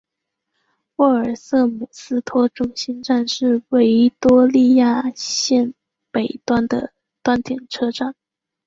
沃尔瑟姆斯托中心站是维多利亚线北端的端点车站。